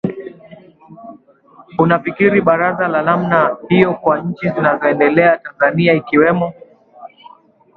unafikiri baraza la namna hiyo kwa nchi zinazoendelea tanzania ikiwemo